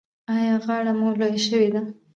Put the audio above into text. ایا غاړه مو لویه شوې ده؟